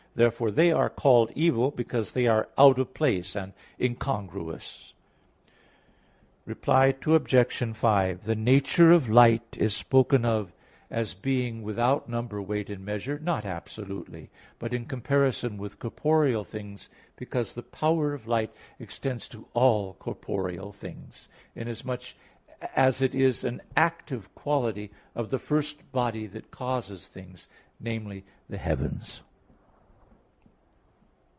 Therefore they are called evil, because they are out of place and incongruous." Reply Obj. 5: The nature of light is spoken of as being without number, weight and measure, not absolutely, but in comparison with corporeal things, because the power of light extends to all corporeal things; inasmuch as it is an active quality of the first body that causes change, i.e. the heavens.